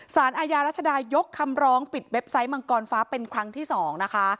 สารอาญารัชดายกคำร้องปิดเว็บไซต์มังกรฟ้าเป็นครั้งที่๒นะคะ